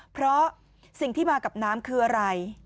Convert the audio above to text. เพราะสิ่งที่มากับน้ำคืออะไร